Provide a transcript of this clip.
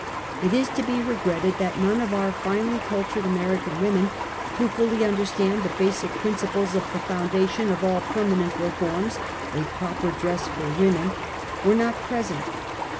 It is to be regretted that none of our finely cul tured American women who fully understand the basic principles of the foundation of all permanent reforms, {a proper dress for imnen,) were not present.